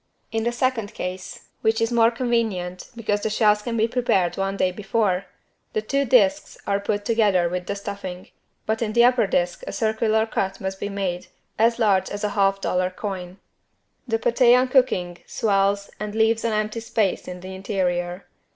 In the second case, which is more convenient because the shells can be prepared one day before, the two disks are put together without the stuffing, but in the upper disk a circular cut must be made as large as a half dollar coin. The paté on cooking swells and leaves an empty space in the interior.